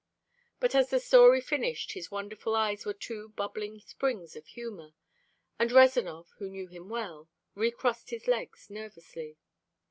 But as the story finished his wonderful eyes were two bubbling springs of humor, and Rezanov, who knew him well, recrossed his legs nervously.